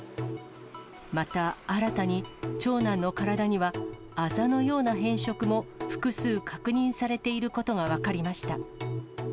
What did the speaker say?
また新たに、長男の体にはあざのような変色も、複数確認されていることが分かりました。